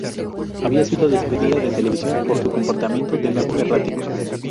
Había sido despedida de televisión por su comportamiento de nuevo errático.